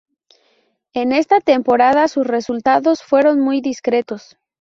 En esta temporada sus resultados fueron muy discretos.